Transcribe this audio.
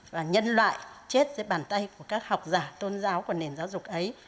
và nhân loại chết dưới bàn tay của các học giả tôn giáo của nền giáo dục ấy